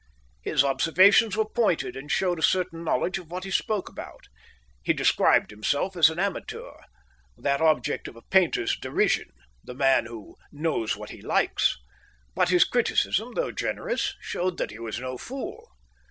His observations were pointed and showed a certain knowledge of what he spoke about. He described himself as an amateur, that object of a painter's derision: the man "who knows what he likes"; but his criticism, though generous, showed that he was no fool.